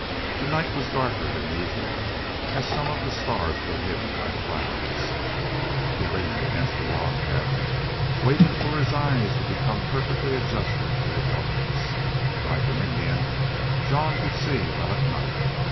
The night was darker than usual, as some of the stars were hidden by clouds. He leaned against the log cabin, waiting for his eyes to become perfectly adjusted to the darkness. Like an Indian, Jean could see well at night.